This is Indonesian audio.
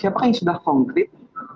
siapa yang sudah konkret